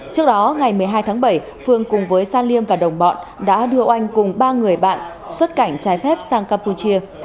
trước đó ngày một mươi hai tháng bảy phương cùng với sa liêm và đồng bọn đã đưa oanh cùng ba người bạn xuất cảnh trái phép sang campuchia